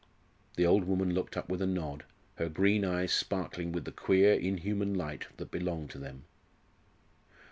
The old woman looked up with a nod, her green eyes sparkling with the queer inhuman light that belonged to them.